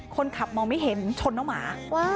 คนขับมองไม่เห็นชนน้องหมา